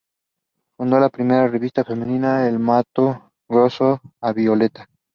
Fundó la primera revista femenina de Mato Grosso, "A Violeta".